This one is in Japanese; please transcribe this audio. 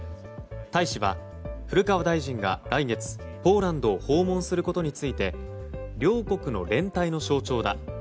大使は古川大臣が来月ポーランドを訪問することについて両国の連帯の象徴だ。